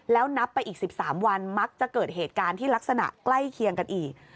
แล้วนับไปอีก๑๓วันมักจะเกิดเหตุการณ์ที่ลักษณะใกล้เคียงกันอีก